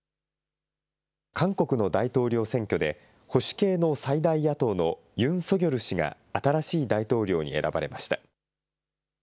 韓国の大統領選挙で、保守系の最大野党のユン・ソギョル氏が新しい大統領に選ばれました。